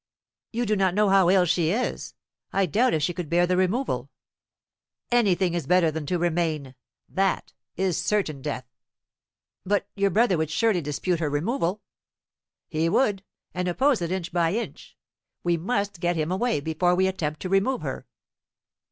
"You do not know how ill she is. I doubt if she could bear the removal." "Anything is better than to remain. That is certain death." "But your brother would surely dispute her removal." "He would, and oppose it inch by inch. We must get him away, before we attempt to remove her."